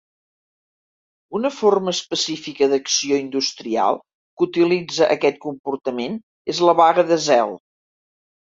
Una forma específica d'acció industrial que utilitza aquest comportament és la vaga de zel.